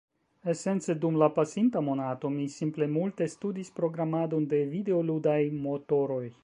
esence dum la pasinta monato mi simple multe studis programadon de videoludaj motoroj.